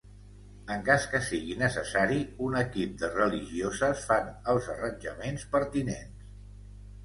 En cas que sigui necessari, un equip de religioses fan els arranjaments pertinents.